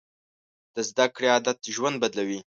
د زده کړې عادت ژوند بدلوي.